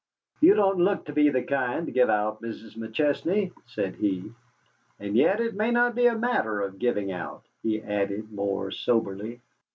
"You don't look to be the kind to give out, Mrs. McChesney," said he. "And yet it may not be a matter of giving out," he added more soberly.